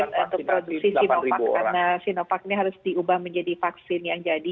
untuk produksi sinovac karena sinovac ini harus diubah menjadi vaksin yang jadi